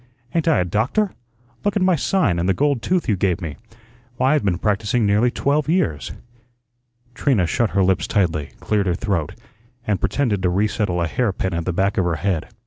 Ain't I a doctor? Look at my sign, and the gold tooth you gave me. Why, I've been practising nearly twelve years." Trina shut her lips tightly, cleared her throat, and pretended to resettle a hair pin at the back of her head.